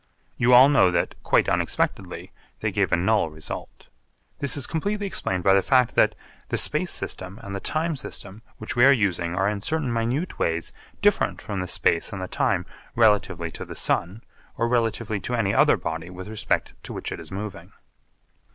You all know that, quite unexpectedly, they gave a null result. This is completely explained by the fact that, the space system and the time system which we are using are in certain minute ways different from the space and the time relatively to the sun or relatively to any other body with respect to which it is moving.